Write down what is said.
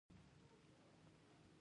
د ګورنر په استازي لاس کې وه.